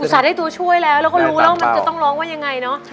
ได้ตัวช่วยแล้วแล้วก็รู้แล้วมันจะต้องร้องว่ายังไงเนอะ